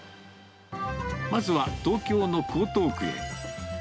まずは東京の江東区へ。